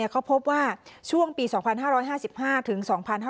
เขาพบว่าช่วงปี๒๕๕๕ถึง๒๕๕๙